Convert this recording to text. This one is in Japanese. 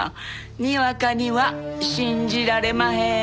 にわかには信じられまへん。